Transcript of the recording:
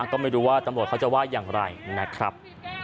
ก็ไม่รู้ว่าตำรวจเขาจะว่าอย่างไรนะครับ